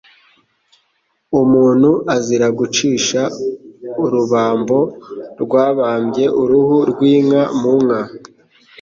Umuntu azira gucisha urubambo rwabambye uruhu rw’inka mu nka,